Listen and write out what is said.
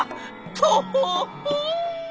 とほほ」。